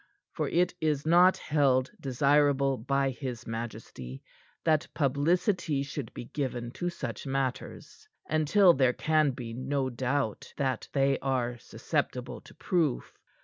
For it is not held desirable by his majesty that publicity should be given to such matters until there can be no doubt that they are susceptible to proof.